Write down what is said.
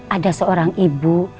ada seorang ibu